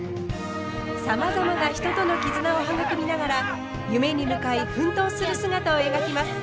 さまざまな人との絆を育みながら夢に向かい奮闘する姿を描きます。